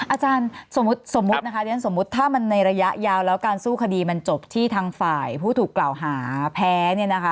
อาจารย์สมมุติถ้ามันในระยะยาวแล้วการสู้คดีมันจบที่ทางฝ่ายผู้ถูกกล่าวหาแพ้